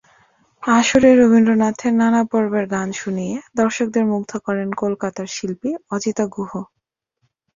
আসরে রবীন্দ্রনাথের নানা পর্বের গান শুনিয়ে দর্শকদের মুগ্ধ করেন কলকাতার শিল্পী অজিতা গুহ।